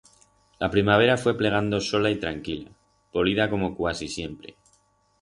La primavera fue plegando sola y tranquila, polida como cuasi siempre.